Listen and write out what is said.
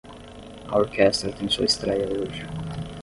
A orquestra tem sua estréia hoje.